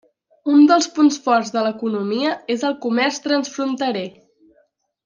Un dels punts forts de l'economia és el comerç transfronterer.